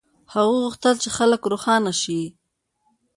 هغه غوښتل چې خلک روښانه شي.